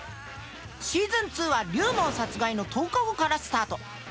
シーズン２は龍門殺害の１０日後からスタート。